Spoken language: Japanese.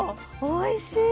おいしい。